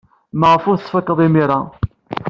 Maɣef ur t-tettfakad imir-a?